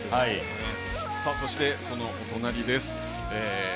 そして、お隣です。